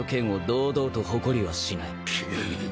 くっ。